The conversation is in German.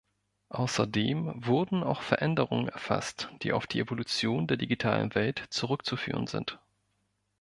Außerdem wurden auch Veränderungen erfasst, die auf die Evolution der digitalen Welt zurückzuführen sind.